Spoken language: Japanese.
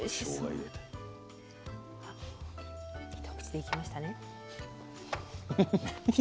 あっ一口でいきましたね。